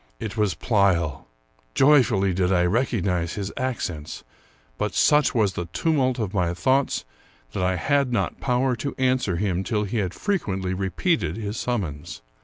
It was Pleyel. Joyfully did I recognize his accents ; but such was the tumult of my thoughts that I had not power to answer him till he had frequently repeated his summons.